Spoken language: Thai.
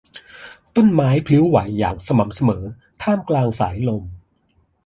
ต้นไม้พลิ้วไหวอย่างสม่ำเสมอท่ามกลางสายลม